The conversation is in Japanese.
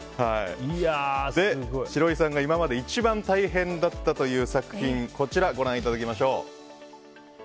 シロイさんが今まで一番大変だったという作品をご覧いただきましょう。